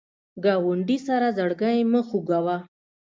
ګاونډي سره زړګی مه خوږوه